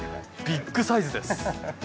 ビッグサイズです！